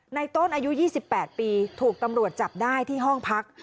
ในต้นอายุ๒๘ปีถูกตำรวจจับได้ที่ห้องพัก